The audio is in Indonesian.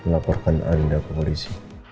laporkan anda ke polisi